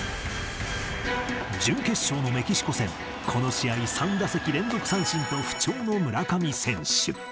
準決勝のメキシコ戦、この試合、３打席連続三振と不調の村上選手。